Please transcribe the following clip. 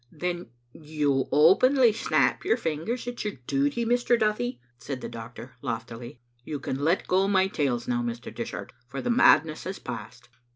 " Then you openly snap your fingers at your duty, Mr. Duthie?" said the doctor, loftily. ("You can let go my tails now, Mr. Dishart, for the madness has passed.")